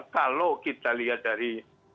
kalau kita lihat dari